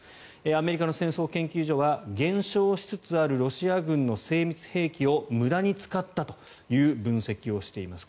アメリカの戦争研究所は減少しつつあるロシア軍の精密兵器を無駄に使ったという分析をしています。